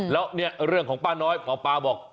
แล้วเนี่ยเรื่องของป้าน้อยหมอปลาบอก